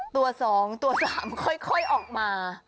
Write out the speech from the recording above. ตัวสองตัวสามค่อยออกมา